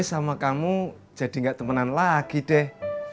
sama kamu jadi gak temenan lagi deh